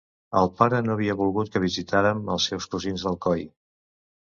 El pare no havia volgut que visitàrem els seus cosins d'Alcoi...